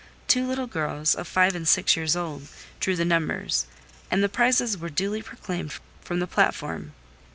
Two little girls, of five and six years old, drew the numbers: and the prizes were duly proclaimed from the platform.